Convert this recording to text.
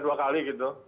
ada dua kali gitu